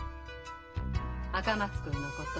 赤松君のこと？